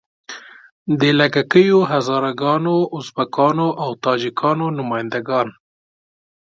د لږه کیو هزاره ګانو، ازبکانو او تاجیکانو نماینده ګان.